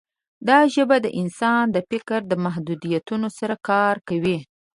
دا ژبه د انسان د فکر د محدودیتونو سره کار کوي.